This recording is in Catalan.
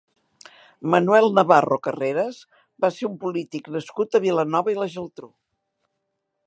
Manuel Navarro Carreras va ser un polític nascut a Vilanova i la Geltrú.